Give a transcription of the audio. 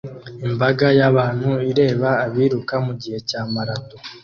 Imbaga y'abantu ireba abiruka mugihe cya marato